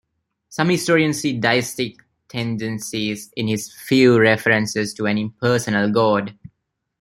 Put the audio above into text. Some historians see "deistic tendencies" in his few references to an impersonal God.